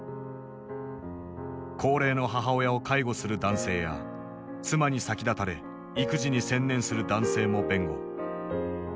高齢の母親を介護する男性や妻に先立たれ育児に専念する男性も弁護。